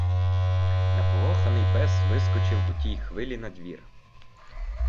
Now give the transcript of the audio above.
Наполоханий пес вискочив у тій хвилі надвір.